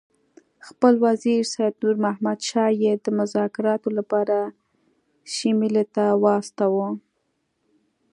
خپل وزیر سید نور محمد شاه یې د مذاکراتو لپاره سیملې ته واستاوه.